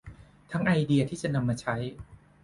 ทั้งไอเดียที่จะนำมาใช้